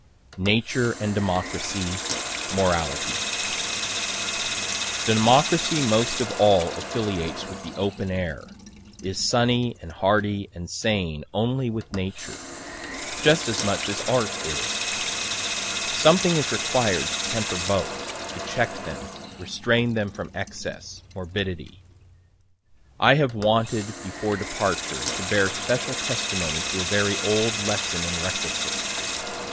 NATURE AND DEMOCRACY MORALITY Democracy most of all affiliates with the open air, is sunny and hardy and sane only with Nature just as much as Art is. Something is required to temper both to check them, restrain them from excess, morbidity. I have wanted, before departure, to bear special testimony to a very old lesson and requisite.